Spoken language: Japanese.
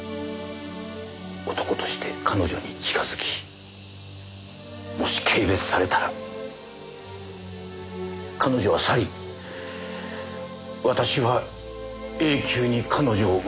男として彼女に近づきもし軽蔑されたら彼女は去り私は永久に彼女を失う事になる。